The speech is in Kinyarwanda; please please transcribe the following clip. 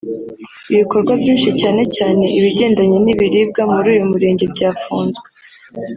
Ibikorwa byinshi cyane cyane ibigendanye n’ibiribwa muri uyu murenge byafunzwe